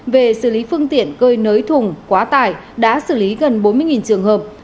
về xử lý phương tiện cơi nới thùng quá tải đã xử lý gần bốn mươi trường hợp